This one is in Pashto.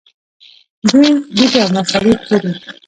دوی بوټي او مسالې پلوري.